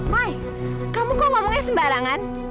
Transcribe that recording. mai kamu kok ngomongnya sembarangan